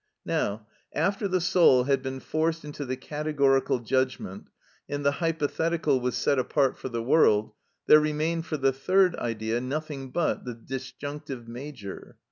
Now, after the soul had been forced into the categorical judgment, and the hypothetical was set apart for the world, there remained for the third Idea nothing but the disjunctive major.